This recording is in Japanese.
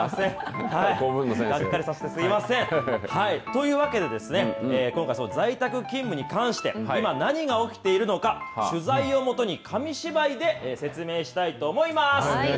というわけで、今回、在宅勤務に関して、今何が起きているのか、取材をもとに紙芝居で説明したいと思います。